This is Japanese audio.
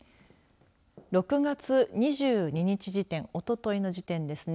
６月２２日時点おとといの時点ですね。